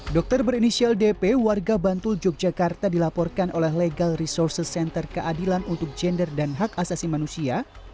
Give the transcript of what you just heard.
dokter berinisial dp warga bantul yogyakarta dilaporkan oleh legal resources center keadilan untuk gender dan hak asasi manusia